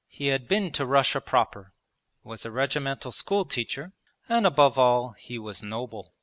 He had been to Russia proper, was a regimental schoolteacher, and above all he was noble.